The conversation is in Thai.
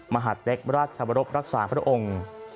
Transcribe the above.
มหาดเล็กราชบรบรักษาพระองค์